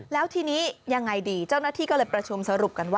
แล้วทีนี้ยังไงดีเจ้าหน้าที่ก็เลยประชุมสรุปกันว่า